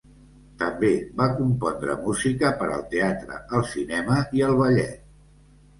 També va compondre música per al teatre, el cinema i el ballet.